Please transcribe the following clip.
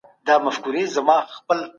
ښه عادتونه له مثبته ذهنه پیدا کیږي.